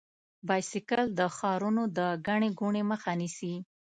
بایسکل د ښارونو د ګڼې ګوڼې مخه نیسي.